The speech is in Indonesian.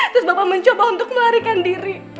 terus bapak mencoba untuk melarikan diri